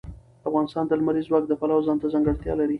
افغانستان د لمریز ځواک د پلوه ځانته ځانګړتیا لري.